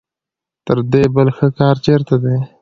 تر دې بل ښه کار چېرته دی.